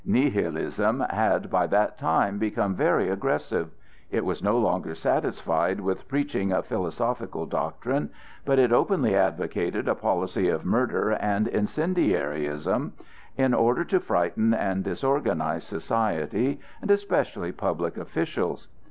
Nihilism had by that time become very aggressive. It was no longer satisfied with preaching a philosophical doctrine, but it openly advocated a policy of murder and incendiarism, in order to frighten and disorganize society, and especially public officials.